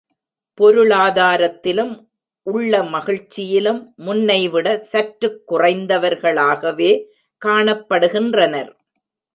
பொருளாதாரத்திலும், உள்ளமகிழ்ச்சியிலும் முன்னைவிடச் சற்றுக் குறைந்தவர் களாகவே காணப்படுகின்றனர்.